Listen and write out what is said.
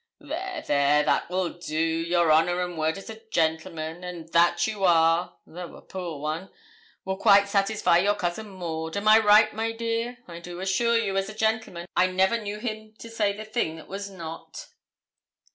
'There, there that will do; your honour and word as a gentleman and that you are, though a poor one will quite satisfy your cousin Maud. Am I right, my dear? I do assure you, as a gentleman, I never knew him to say the thing that was not.'